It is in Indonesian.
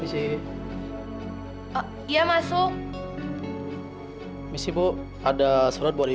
pak pengacara mengulurkan diri